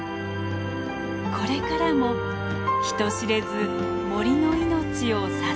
これからも人知れず森の命を支え続けます。